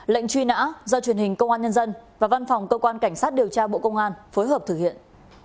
lệnh truy nã do truyền hình công an nhân dân và văn phòng cơ quan cảnh sát điều tra bộ công an phối hợp thực hiện